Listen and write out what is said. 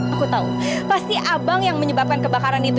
aku tahu pasti abang yang menyebabkan kebakaran itu